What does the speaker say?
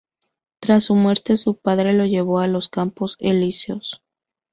Tras su muerte su padre lo llevó a los Campos Elíseos.